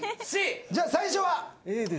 じゃあ最初は。